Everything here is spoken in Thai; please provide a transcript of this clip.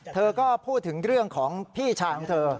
เธอก็พูดถึงเรื่องของพี่ชายของเธอ